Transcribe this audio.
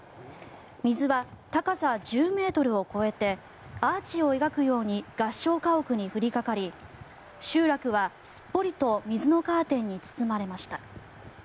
水は高さ１０ｍを超えてアーチを描くように合掌家屋に降りかかり集落はすっぽりと水のカーテンに包まれました。